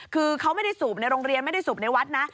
คือเขาไม่ได้สูบในโรงเรียนไม่ได้สูบในวัดนะ